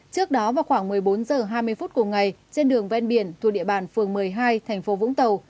trước đó vào khoảng một mươi bốn h hai mươi phút cùng ngày trên đường ven biển thuộc địa bàn phường một mươi hai thành phố vũng tàu